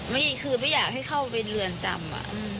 นี่คือไม่อยากให้เข้าไปเรือนจำ